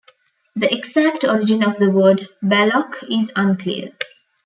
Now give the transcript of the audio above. The exact origin of the word 'Baloch' is unclear.